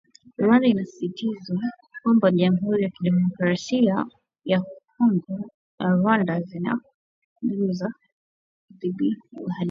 Rwanda inasisitizwa kwamba jamhuri ya kidemokrasia ya Kongo na Rwanda zina mbinu za kudhibi uhalifu